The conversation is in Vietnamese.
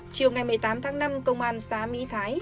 chiều ngày một mươi tám tháng năm công an xã mỹ thái